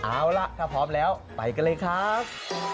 เอาล่ะถ้าพร้อมแล้วไปกันเลยครับ